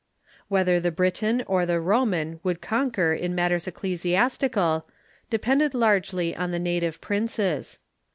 • Whether the Briton or the Roman would conquer in mat ters ecclesiastical depended largely on the native princes.